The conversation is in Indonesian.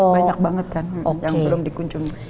banyak banget kan yang belum dikunjungi